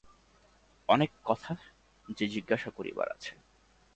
অনেক কথা যে জিজ্ঞাসা করিবার আছে।